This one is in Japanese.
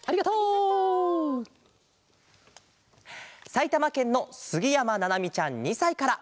さいたまけんのすぎやまななみちゃん２さいから。